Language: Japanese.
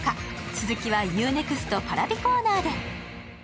続きはＵ−ＮＥＸＴＰａｒａｖｉコーナーで。